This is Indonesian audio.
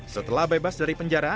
setelah bebas dari penjara